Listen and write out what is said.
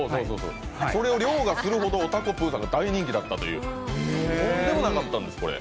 これを凌駕するほどおたこぷーさんが大人気だったというとんでもなかったんです、これ。